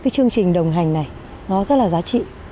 chương trình đồng hành này rất là giá trị